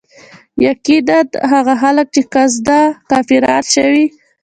يقيناً هغه خلک چي قصدا كافران شوي